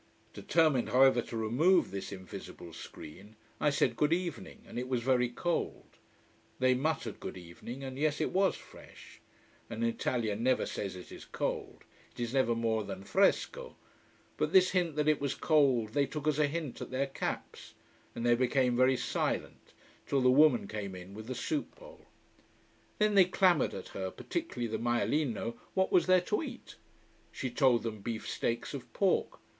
Determined however, to remove this invisible screen, I said Good evening, and it was very cold. They muttered Good evening, and yes, it was fresh. An Italian never says it is cold: it is never more than fresco. But this hint that it was cold they took as a hint at their caps, and they became very silent, till the woman came in with the soup bowl. Then they clamoured at her, particularly the maialino, what was there to eat. She told them beef steaks of pork.